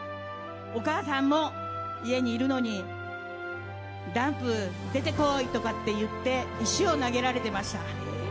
お母さんも家にいるのにダンプ、出てこい！とかって言って石を投げられてました。